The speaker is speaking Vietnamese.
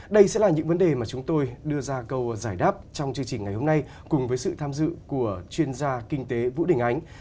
đây sẽ là những vấn đề mà chúng tôi đưa ra câu giải đáp trong chương trình ngày hôm nay cùng với sự tham dự của chuyên gia kinh tế vũ đình ánh